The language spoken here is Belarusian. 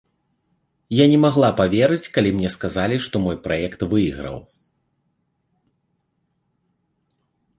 Я не магла паверыць, калі мне сказалі, што мой праект выйграў.